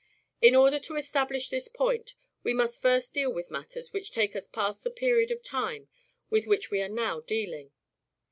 In order to establish this point we must first deal with matters which take us past the" period of time with which we are now dealing.